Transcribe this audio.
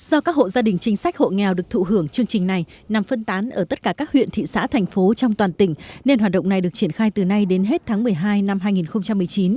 do các hộ gia đình chính sách hộ nghèo được thụ hưởng chương trình này nằm phân tán ở tất cả các huyện thị xã thành phố trong toàn tỉnh nên hoạt động này được triển khai từ nay đến hết tháng một mươi hai năm hai nghìn một mươi chín